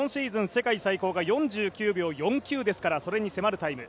世界最高が４９秒４９ですからそれに迫るタイム。